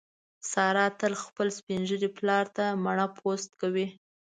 ساره تل خپل سپین ږیري پلار ته مڼه پوست کوي.